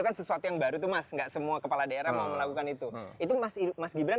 kan sesuatu yang baru tuh mas enggak semua kepala daerah mau melakukan itu itu masih mas gibran